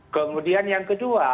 kemudian yang kedua